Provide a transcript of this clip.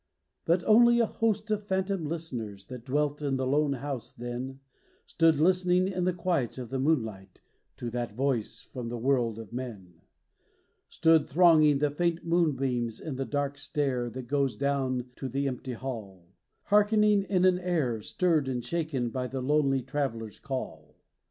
But only a host of phantom listeners That dwelt in the lone house then Stood listening in the quiet of the moonlight To that voice from the world of men: Stood thronging the faint moonbeams on the dark stair That goes down to the empty hall, Hearkening in an air stirred and shaken By the lonely Traveler's call.